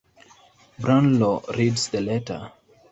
Brownlow reads the letter.